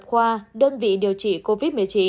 khoa đơn vị điều trị covid một mươi chín